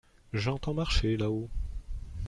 J’entends marcher là-haut…